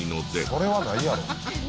それはないやろ。